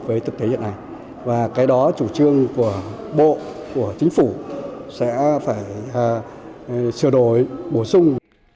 với thực tế hiện nay và cái đó chủ trương của bộ của chính phủ sẽ phải sửa đổi bổ sung